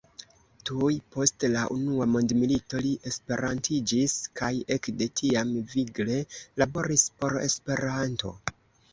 Tuj post la unua mondmilito li esperantiĝis, kaj ekde tiam vigle laboris por Esperanto.